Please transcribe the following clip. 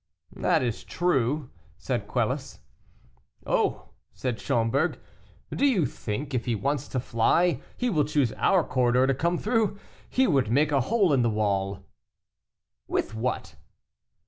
"That is true," said Quelus. "Oh!" said Schomberg, "do you think, if he wants to fly, he will choose our corridor to come through? He would make a hole in the wall." "With what?"